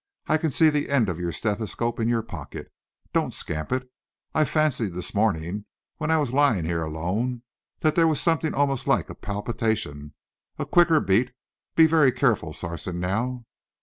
I can see the end of your stethoscope in your pocket. Don't scamp it. I fancied this morning, when I was lying here alone, that there was something almost like a palpitation a quicker beat. Be very careful, Sarson. Now."